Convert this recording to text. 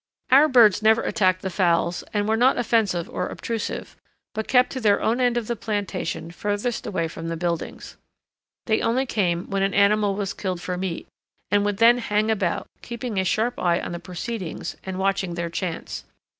Our birds never attacked the fowls, and were not offensive or obtrusive, but kept to their own end of the plantation furthest away from the buildings. They only came when an animal was killed for meat, and would then hang about, keeping a sharp eye on the proceedings and watching their chance.